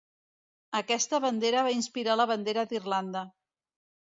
Aquesta bandera va inspirar la bandera d'Irlanda.